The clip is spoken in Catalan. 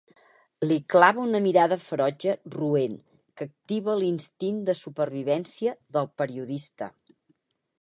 Li clava una mirada ferotge, roent, que activa l'instint de supervivència del periodista.